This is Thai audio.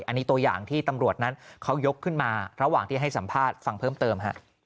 อันนี้ตัวอย่างที่ตำรวจนั้นเขายกขึ้นมาระหว่างที่ให้สัมภาษณ์ฟังเพิ่มเติม